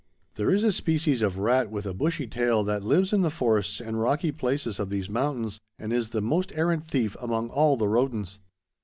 There is a species of rat with a bushy tail that lives in the forests and rocky places of these mountains and is the most arrant thief among all the rodents.